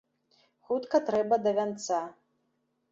Хутка трэба да вянца.